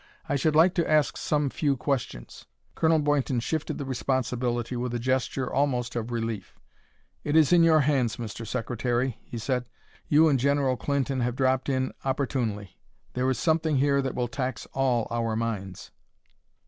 I should like to ask some few questions." Colonel Boynton shifted the responsibility with a gesture almost of relief. "It is in your hands. Mr. Secretary," he said. "You and General Clinton have dropped in opportunely. There is something here that will tax all our minds."